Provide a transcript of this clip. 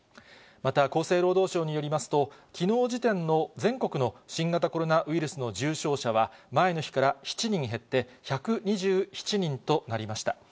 また厚生労働省によりますと、きのう時点の全国の新型コロナウイルスの重症者は、前の日から７人減って、１２７人となりました。